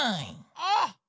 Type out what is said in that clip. あっ！